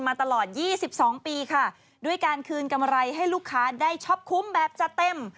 มาตลอด๒๒ปีค่ะด้วยการคืนกำไรให้ลูกค้าได้ช็อปคุ้มแบบจะเต็ม